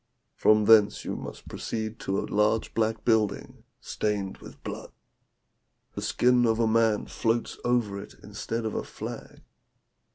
From thence you must proceed to a large black building, stained with blood; the skin of a man floats over it instead of a flag.